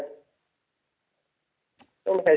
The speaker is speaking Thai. ตัวคุณผมออกมาแบบนี้